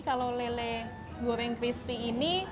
kalau lele goreng crispy ini